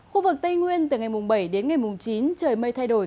khu vực tây nguyên từ ngày bảy đến ngày mùng chín trời mây thay đổi